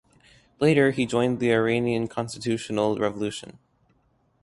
Later, he joined the Iranian Constitutional Revolution.